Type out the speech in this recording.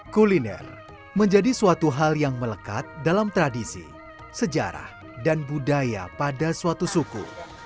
kuliner menjadi suatu hal yang melekat dalam tradisi sejarah dan budaya pada suatu suku